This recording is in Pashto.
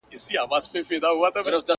o يادوه مي ته، مړوي به مي خداى.